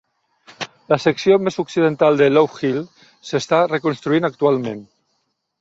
La secció més occidental de Low Hill s"està reconstruint actualment.